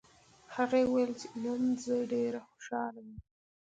هغې وویل چې نن زه ډېره خوشحاله یم